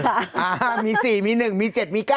อ่ามี๔มี๑มี๗มี๙นะคะ